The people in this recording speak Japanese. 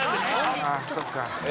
そっか。